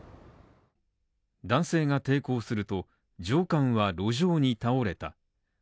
男性が抵抗すると上官は路上に倒れた。